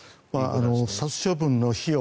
殺処分の費用